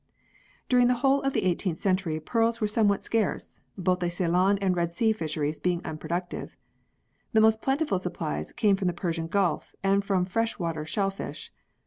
During the whole of the 18th century pearls were somewhat scarce, both the Ceylon and Red Sea fisheries being unproductive. The most plentiful supplies came from the Persian Gulf and from fresh water shellfish.